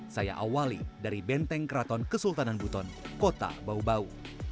saya awali dari benteng keraton kesultanan buton kota bawubawu